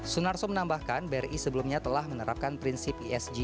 sunarso menambahkan bri sebelumnya telah menerapkan prinsip esg